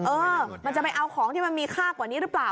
เออมันจะไปเอาของที่มันมีค่ากว่านี้หรือเปล่า